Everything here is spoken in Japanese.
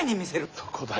そこだよ